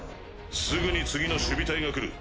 すぐに次の守備隊が来る。